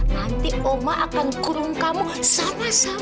nanti oma akan kurung kamu sama sama